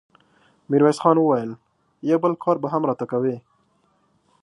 ميرويس خان وويل: يو بل کار به هم راته کوې!